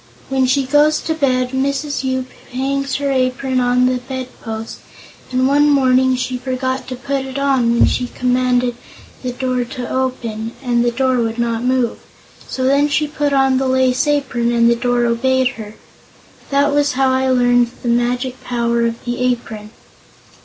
When she goes to bed, Mrs. Yoop hangs her apron on the bedpost, and one morning she forgot to put it on when she commanded the door to open, and the door would not move. So then she put on the lace apron and the door obeyed her. That was how I learned the magic power of the apron."